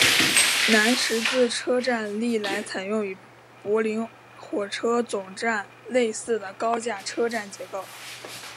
南十字车站历来采用与柏林火车总站类似的高架车站结构。